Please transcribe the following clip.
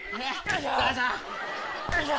よいしょ！